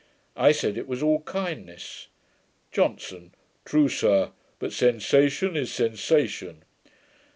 I said, it was all kindness. JOHNSON. 'True, sir: but sensation is sensation.'